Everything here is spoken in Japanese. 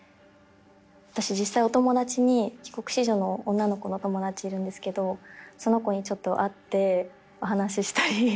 私実際お友達に帰国子女の女の子のお友達いるんですけどその子に会ってお話したり。